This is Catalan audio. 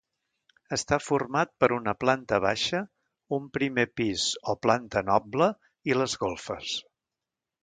Està format per una planta baixa, un primer pis o planta noble i les golfes.